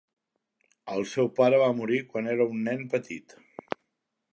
El seu pare va morir quan era un nen petit.